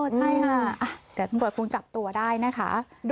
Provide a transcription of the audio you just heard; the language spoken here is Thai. ใช่ค่ะเดี๋ยวคุณกรุงจับตัวได้นะคะ